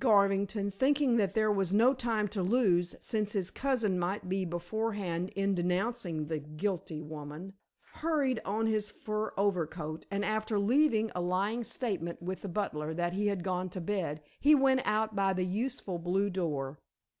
Garvington, thinking that there was no time to lose, since his cousin might be beforehand in denouncing the guilty woman, hurried on his fur overcoat, and after leaving a lying statement with the butler that he had gone to bed, he went out by the useful blue door.